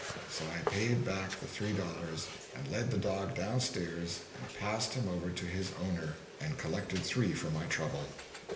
So I paid back the three dollars and led the dog down stairs and passed him over to his owner, and collected three for my trouble.